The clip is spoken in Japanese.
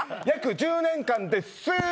約１０年間です！